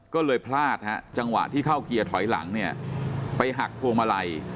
ก็เลยพลาดฮะจังหวะที่เข้าเกียร์ถอยหลังเนี่ยไปหักพวงมาลัย